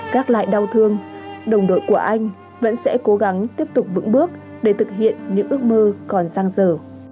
các lại đau thương đồng đội của anh vẫn sẽ cố gắng tiếp tục vững bước để thực hiện những ước mơ còn sang giờ